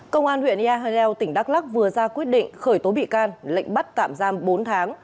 công an huyện yà hà leo tỉnh đắk lắc vừa ra quyết định khởi tố bị can lệnh bắt tạm giam bốn tháng